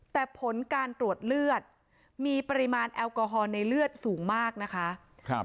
แต่ผลการตรวจเลือดมีปริมาณแอลกอฮอลในเลือดสูงมากนะคะ